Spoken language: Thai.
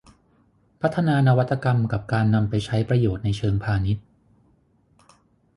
พัฒนานวัตกรรมกับการนำไปใช้ประโยชน์ในเชิงพาณิชย์